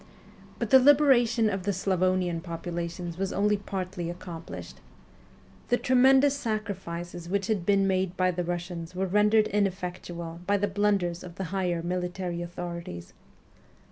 But the liberation of the Slavonian populations was only partly accomplished. The tremendous sacrifices which had been made by the Eussians were rendered ineffectual by the blunders of the higher mili tary authorities.